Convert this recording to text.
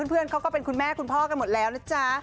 เพื่อนเขาก็เป็นคุณแม่คุณพ่อกันหมดแล้วนะจ๊ะ